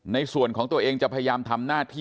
ในส่วนของตัวเองจะพยายามทำหน้าที่